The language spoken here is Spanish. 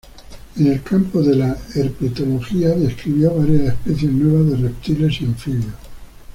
En el campo de la herpetología describió varias especies nuevas de reptiles y anfibios.